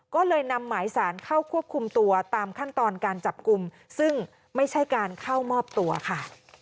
ก็เลยนำหมายสารเข้าควบคุมตัวตามขั้นตอนการจับกลุ่มซึ่งไม่ใช่การเข้ามอบตัวค่ะ